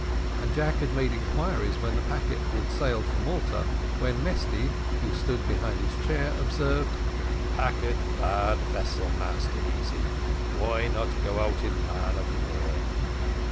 And Jack had made inquiries when the packet would sail for Malta, when Mesty, who stood behind his chair, observed: "Packet bad vessel, Massa Easy. Why not go out in man of war?"